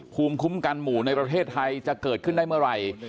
ภูมิคุ้มกันหมู่ในประเทศไทยจะเกิดขึ้นได้เมื่อไหร่